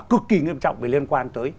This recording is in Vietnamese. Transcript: cực kỳ nghiêm trọng vì liên quan tới